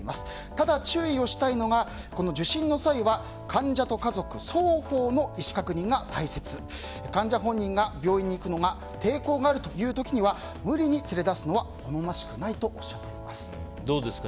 ただ注意をしたいのが受診の際は患者と家族双方の意思確認が大切で、患者本人が病院に行くのが抵抗があるという時には無理に連れ出すのは好ましくないとどうですか？